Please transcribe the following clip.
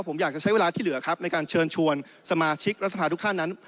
ผมอยากจะใช้เวลาที่เหลือครับในการเชิญชวนสมาชิกรัฐสภาทุกท่านนั้น